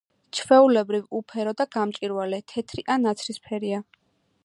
ჩვეულებრივ, უფერო და გამჭვირვალე, თეთრი ან ნაცრისფერია.